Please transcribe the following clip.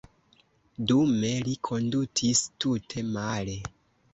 Dume li kondutis tute male.